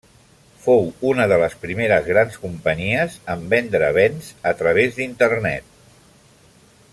Fou una de les primeres grans companyies en vendre béns a través d'Internet.